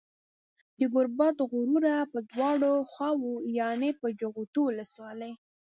د گوربت غروه په دواړو خواوو يانې په جغتو ولسوالۍ